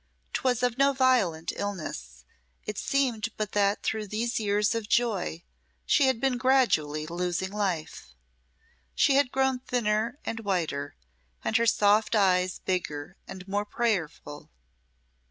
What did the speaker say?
'Twas of no violent illness, it seemed but that through these years of joy she had been gradually losing life. She had grown thinner and whiter, and her soft eyes bigger and more prayerful.